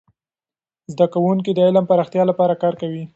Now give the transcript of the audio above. زده کوونکي د علم د پراختیا لپاره کار کوي.